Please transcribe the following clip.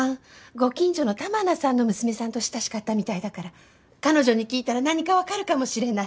ご近所の玉名さんの娘さんと親しかったみたいだから彼女に聞いたら何か分かるかもしれない。